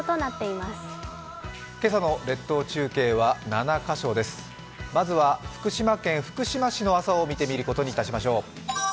まずは福島県福島市の朝を見てみることにいたしましょう。